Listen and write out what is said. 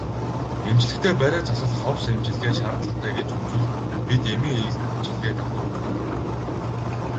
Эмчлэхдээ бариа засал ховс эмчилгээ шаардлагатай гэж үзвэл бид эмийн эмчилгээ давхар үзүүлдэг.